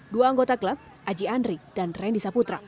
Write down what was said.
dua anggota klub aji andri dan randy saputra